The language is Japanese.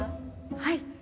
はい。